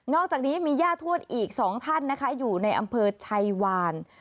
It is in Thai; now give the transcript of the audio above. อกจากนี้มีย่าทวดอีก๒ท่านนะคะอยู่ในอำเภอชัยวาน